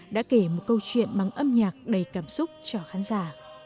đã kể một câu chuyện mang âm nhạc đầy cảm xúc cho khán giả